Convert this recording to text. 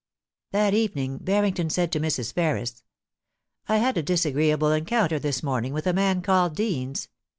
That evening Barrington said to Mrs. Ferris :* I had a dis agreeable encounter this morning with a man called Deans.